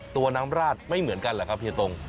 ตัวน้ำราดไม่เหมือนกันเหรอครับเฮียตง